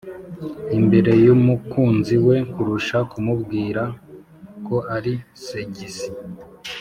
imbere y’umukunzi we kurusha kumubwira ko ari segisi.